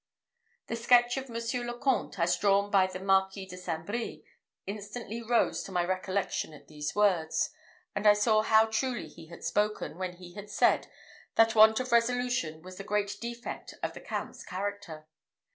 The sketch of Monsieur le Comte, as drawn by the Marquis de St. Brie, instantly rose to my recollection at these words; and I saw how truly he had spoken, when he said, that want of resolution was the great defect of the Count's character.